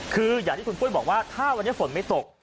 คืออย่างที่คุณปุ้ยบอกว่าถ้าวันนี้ฝนไม่ตก